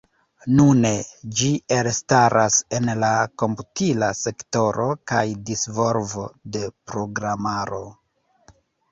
Nune, ĝi elstaras en la komputila sektoro kaj disvolvo de programaro.